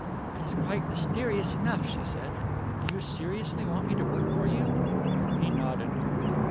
"It is quite mysterious enough," she said. "Do you seriously want me to work for you?" He nodded.